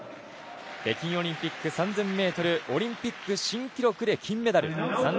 北京オリンピック３０００ｍオリンピック新記録で金メダル。